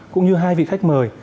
cũng như hai vị khách mời